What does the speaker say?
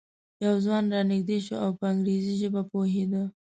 یو ځوان را نږدې شو او په انګریزي ژبه پوهېده.